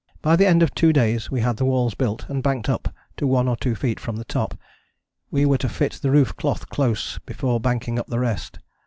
By the end of two days we had the walls built, and banked up to one or two feet from the top; we were to fit the roof cloth close before banking up the rest.